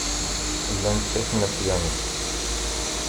Llan kkaten apyanu.